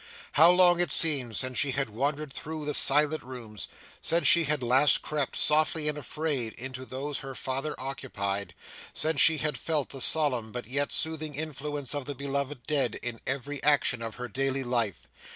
How long it seemed since she had wandered through the silent rooms: since she had last crept, softly and afraid, into those her father occupied: since she had felt the solemn but yet soothing influence of the beloved dead in every action of her daily life!